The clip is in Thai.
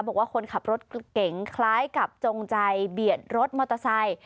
บอกว่าคนขับรถเก๋งคล้ายกับจงใจเบียดรถมอเตอร์ไซค์